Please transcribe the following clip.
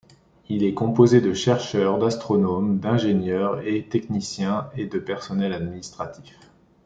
Il est composé de chercheurs, d'astronomes, d'ingénieurs et techniciens et de personnels administratifs.